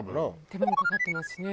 手間もかかってますしね。